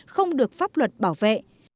không được pháp luật bảo vệ